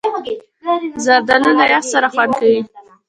زردالو له یخ سره خوند کوي.